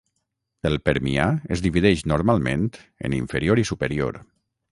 El Permià es divideix normalment en inferior i superior.